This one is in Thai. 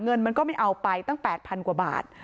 เงินมันก็ไม่เอาไปตั้ง๘๐๐๐กว่าบาท